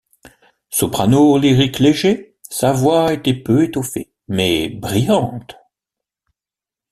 Soprano lyrique léger, sa voix était peu étoffée, mais brillante.